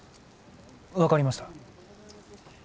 分かりました。